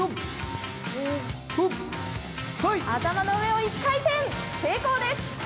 頭の上を１回転、成功です！